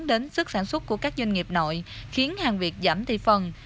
đến sức sản xuất của các doanh nghiệp nội khiến hàng việt giảm thị phần